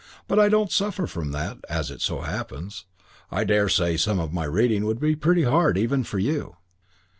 But I don't suffer from that, as it so happens. I daresay some of my reading would be pretty hard even for you."